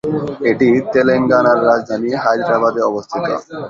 এটি তেলেঙ্গানার রাজধানী হায়দ্রাবাদে অবস্থিত।